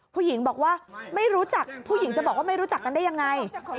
ผู้หญิงบอกว่าไม่รู้จักผู้หญิงจะบอกว่าไม่รู้จักกันได้ยังไง